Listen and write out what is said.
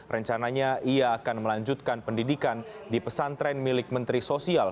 rencananya ia akan melanjutkan pendidikan di pesantren milik menteri sosial